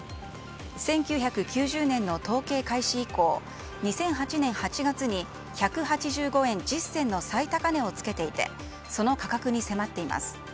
１９９０年の統計開始以降２００８年８月に１８５円１０銭の最高値を付けていてその価格に迫っています。